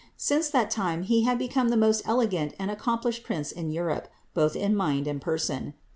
Since that time he had become the most elegant and accomplished prince in Europe, both in mind and person.